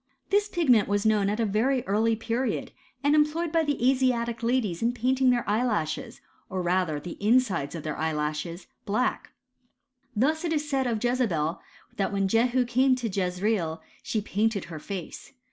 Hiis pigment was known at a very early period, and employed by the Asiatic ladies in painting their eyelashes, or rather the insides of their eyelashes, black. Thus it is said of Jezebel, that when Jehu came to Jezreel she painted her face.